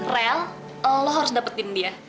rel lo harus dapetin dia